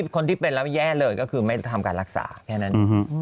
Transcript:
คนที่เป็นแล้วแย่เลยก็คือไม่ทำการรักษาแค่นั้น